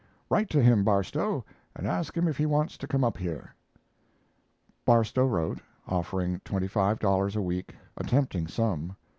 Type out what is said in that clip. "Write to him, Barstow, and ask him if he wants to come up here." Barstow wrote, offering twenty five dollars a week, a tempting sum.